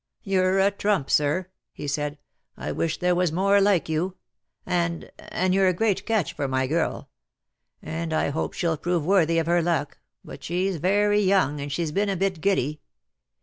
"You're a trump, sir," he said. "I wish there was more like you. And — and you're a great catch for my girl; and I hope she'll prove worthy of her luck — but she's very young, and she's been a bit giddy.